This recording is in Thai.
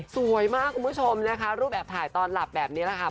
สวยมากคุณผู้ชมนะคะรูปแอบถ่ายตอนหลับแบบนี้แหละค่ะ